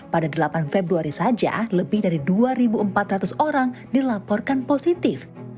pada delapan februari saja lebih dari dua empat ratus orang dilaporkan positif